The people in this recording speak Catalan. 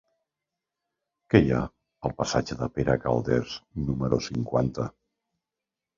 Què hi ha al passatge de Pere Calders número cinquanta?